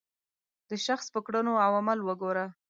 د شخص په کړنو او عمل وګوره.